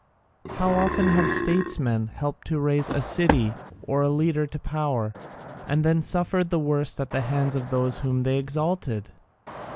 How often have statesmen helped to raise a city or a leader to power, and then suffered the worst at the hands of those whom they exalted!